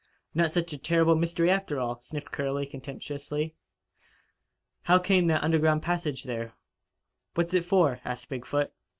Not such a terrible mystery, after all," sniffed Curley contemptuously. "How came that underground passage there? What's it for?" asked Big foot.